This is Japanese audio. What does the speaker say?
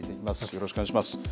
よろしくお願いします。